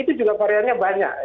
itu juga variannya banyak